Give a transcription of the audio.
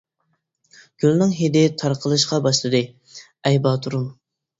گۈلنىڭ ھىدى تارقىلىشقا باشلىدى، ئەي باتۇرۇم!